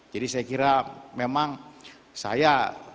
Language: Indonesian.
jadi saya kira memang saya